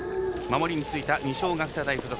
守りについた、二松学舎大付属。